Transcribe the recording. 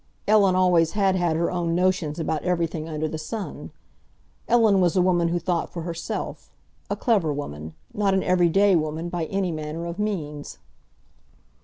Ellen always had had her own notions about everything under the sun. Ellen was a woman who thought for herself—a clever woman, not an everyday woman by any manner of means.